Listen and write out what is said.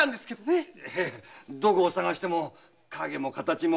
どこを捜しても影も形も。